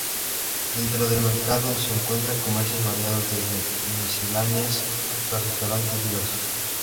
Dentro del mercado se encuentran comercios variados, desde misceláneas hasta restaurantes diversos.